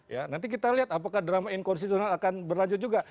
ya nanti kita lihat apakah drama inkonstitusional akan berlanjut juga